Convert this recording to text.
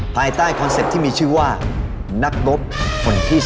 ภายใต้คอนเซ็ปต์ที่มีชื่อว่านักรบคนที่๓